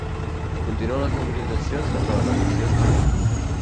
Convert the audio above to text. Continuen les mobilitzacions contra la repressió espanyola.